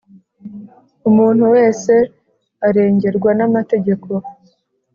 umuntu wese arengerwa n’amategeko;